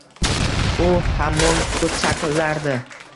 U hamon sukut saklardi